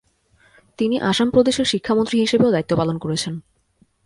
তিনি আসাম প্রদেশের শিক্ষামন্ত্রী হিসেবেও দায়িত্ব পালন করেছেন।